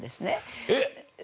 えっ！？